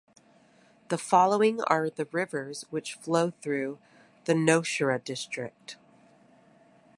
The following are the rivers which flow through the Nowshera District.